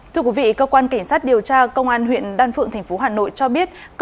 thưa quý vị cơ quan cảnh sát điều tra công an huyện đan phượng tp hà nội cho biết